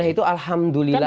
nah itu alhamdulillah